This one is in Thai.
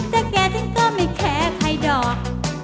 จักรแกที่ก็ไม่แคไทยดอก